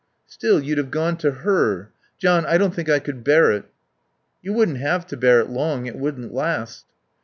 "Still, you'd have gone to her. John, I don't think I could bear it." "You wouldn't have to bear it long. It wouldn't last."